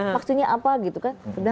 maksudnya apa gitu kan